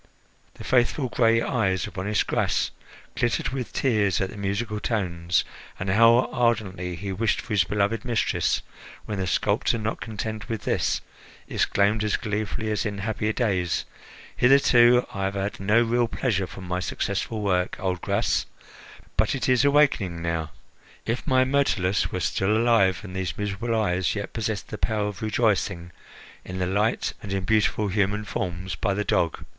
The faithful gray eyes of honest Gras glittered with tears at the musical tones, and how ardently he wished for his beloved mistress when the sculptor, not content with this, exclaimed as gleefully as in happier days: "Hitherto I have had no real pleasure from my successful work, old Gras, but it is awaking now! If my Myrtilus were still alive, and these miserable eyes yet possessed the power of rejoicing in the light and in beautiful human forms, by the dog!